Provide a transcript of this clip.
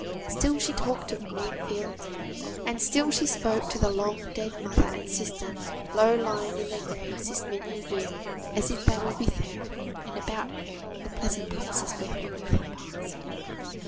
Still she talked of green fields, and still she spoke to the long dead mother and sister, low lying in their graves this many a year, as if they were with her and about her, in the pleasant places where her youth had passed.